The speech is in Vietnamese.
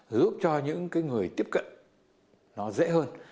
giúp cho những người tiếp cận nó dễ hơn